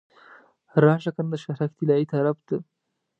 راشه کنه د شهرک طلایي طرف ته.